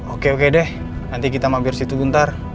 oke oke deh nanti kita mampir situ bentar